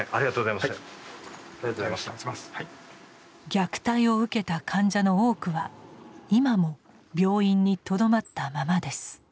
虐待を受けた患者の多くは今も病院にとどまったままです。